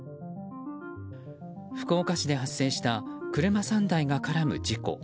福岡市で発生した車３台が絡む事故。